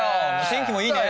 天気もいいね！